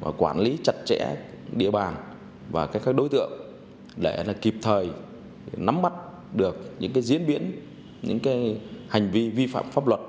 và quản lý chặt chẽ địa bàn và các đối tượng để kịp thời nắm mắt được những diễn biến những hành vi vi phạm pháp luật